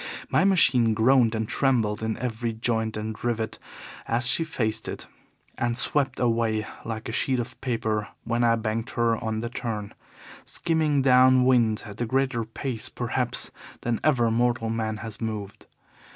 My machine groaned and trembled in every joint and rivet as she faced it, and swept away like a sheet of paper when I banked her on the turn, skimming down wind at a greater pace, perhaps, than ever mortal man has moved.